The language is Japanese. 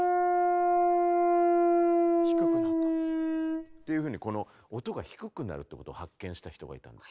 低くなった。っていうふうに音が低くなることを発見した人がいたんです。